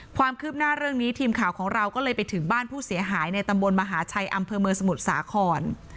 ความคืบหน้าเรื่องนี้ทีมข่าวของเราก็เลยไปถึงบ้านผู้เสียหายในตำบลมหาชัยอำเภอเมืองสมุทรสาคร